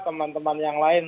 teman teman yang lain